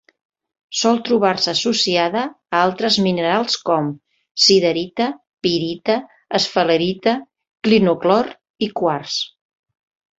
Sol trobar-se associada a altres minerals com: siderita, pirita, esfalerita, clinoclor i quars.